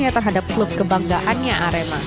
terhadap klub kebanggaannya arema